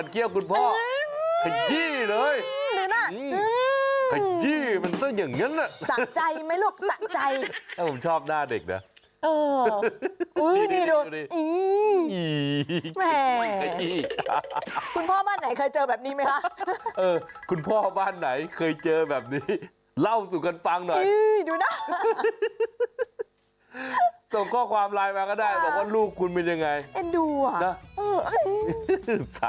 เนี่ยคุณลูกหมั่นเคียวคุณพ่อ